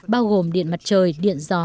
bao gồm điện mặt trời điện gió